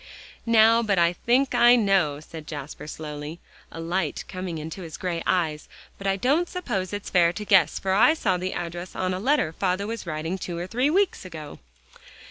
"Now I think I know," said Jasper slowly, a light coming into his gray eyes, "but I don't suppose it's fair to guess, for I saw the address on a letter father was writing two or three weeks ago."